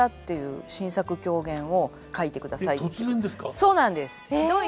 そうなんです。